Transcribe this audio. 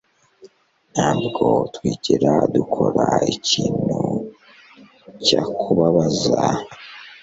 Ntabwo twigera dukora ikintu cyakubabaza